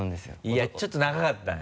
いやちょっと長かったね。